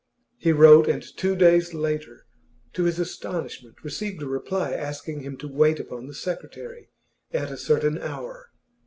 He wrote, and two days later, to his astonishment, received a reply asking him to wait upon the secretary at a certain hour.